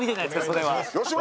それは」